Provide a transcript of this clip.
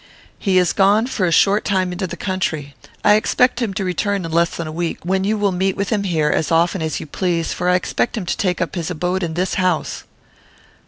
"He has gone for a short time into the country. I expect him to return in less than a week, when you will meet with him here as often as you please, for I expect him to take up his abode in this house."